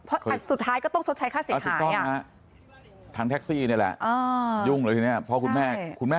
เพราะใครสุดท้ายก็ต้องชดใช้ค่าเสียหายทางแท็กซี่หรืออยู่ไหมพ้อคุณแม่คุณแม่